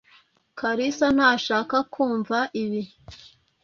Kalisa ntashaka kumva ibi.